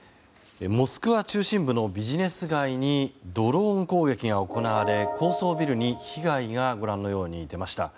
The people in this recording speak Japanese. モスクワ中心部のビジネス街にドローン攻撃が行われ高層ビルに被害が出ました。